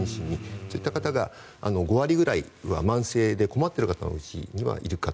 そういった方が５割くらいは慢性で困っている方が２割くらいいると。